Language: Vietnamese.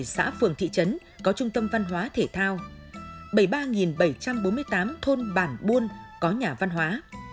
sáu chín trăm chín mươi bảy xã phường thị trấn có trung tâm văn hóa thể thao bảy mươi ba bảy trăm bốn mươi tám thôn bản buôn có nhà văn hóa